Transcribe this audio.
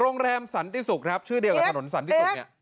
โรงแรมสันติศุกร์ครับชื่อเดียวกับถนนสันติศุกร์เนี่ย